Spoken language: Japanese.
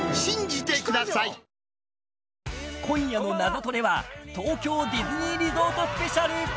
今夜の「ナゾトレ」は東京ディズニーリゾートスペシャル。